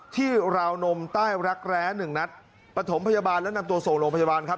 ราวนมใต้รักแร้หนึ่งนัดปฐมพยาบาลและนำตัวส่งโรงพยาบาลครับ